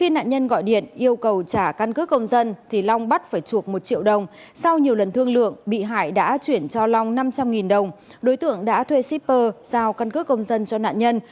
nạn nhân gọi điện yêu cầu trả căn cứ công dân thì long bắt phải chuộc một triệu đồng sau nhiều lần thương lượng bị hại đã chuyển cho long năm trăm linh đồng đối tượng đã thuê shipper giao căn cứ công dân cho nạn nhân